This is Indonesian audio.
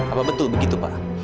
apa betul begitu pak